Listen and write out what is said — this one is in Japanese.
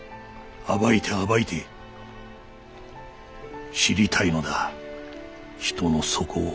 暴いて暴いて知りたいのだ人の底を。